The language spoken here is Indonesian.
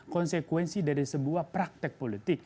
konsekuensi dari sebuah praktek politik